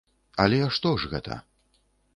Але што ж гэта?